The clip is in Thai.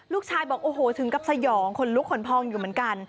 ลูกชายบอกโอ้โหถึงกับสยองขนลุกขนพองอยู่เหมือนกัน